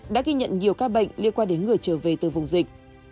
đã ghi nhận nhiều ca bệnh liên quan đến người trở về từ vùng dịch